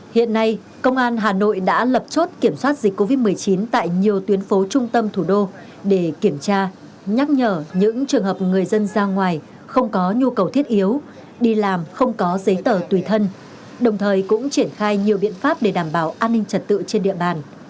hiện nay công an hà nội đã lập chốt kiểm soát dịch covid một mươi chín tại nhiều tuyến phố trung tâm thủ đô để kiểm tra nhắc nhở những trường hợp người dân ra ngoài không có nhu cầu thiết yếu đi làm không có giấy tờ tùy thân đồng thời cũng triển khai nhiều biện pháp để đảm bảo an ninh trật tự trên địa bàn